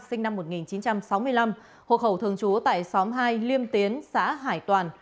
sinh năm một nghìn chín trăm sáu mươi năm hộ khẩu thường trú tại xóm hai liêm tiến xã hải toàn